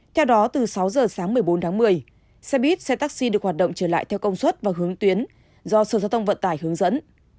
theo đó từ sáu giờ sáng một mươi bốn tháng một mươi xe buýt xe taxi được hoạt động trở lại theo công suất và hướng tuyến do sở giao thông vận tải hướng dẫn